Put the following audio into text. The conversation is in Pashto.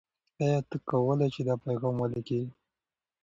آیا ته کولای سې دا پیغام ولیکې؟